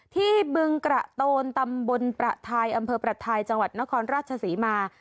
บึงกระโตนตำบลประทายอำเภอประทายจังหวัดนครราชศรีมา